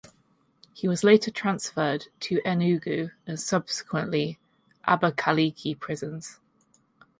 He was later transferred to Enugu and subsequently Abakaliki prisons.